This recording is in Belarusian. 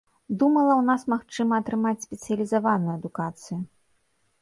Думала, у нас магчыма атрымаць спецыялізаваную адукацыю.